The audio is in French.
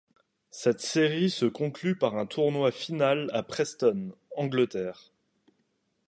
Cette série se conclut par un tournoi final à Preston, Angleterre.